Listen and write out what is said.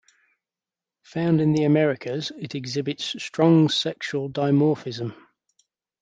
Found in the Americas, it exhibits strong sexual dimorphism.